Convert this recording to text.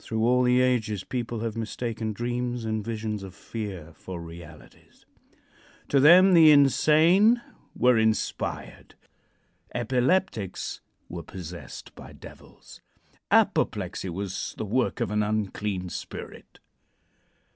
Through all the ages people have mistaken dreams and visions of fear for realities. To them the insane were inspired; epileptics were possessed by devils; apoplexy was the work of an unclean spirit.